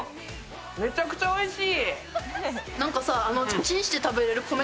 めちゃくちゃおいしい。